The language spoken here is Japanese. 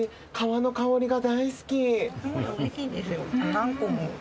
何個も。